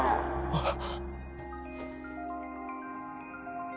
あっ？